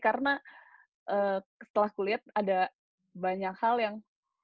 karena setelah kulit ada banyak hal yang